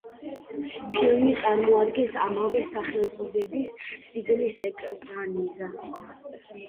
ფილმი წარმოადგენს ამავე სახელწოდების წიგნის ეკრანიზაციას.